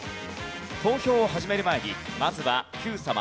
投票を始める前にまずは『Ｑさま！！』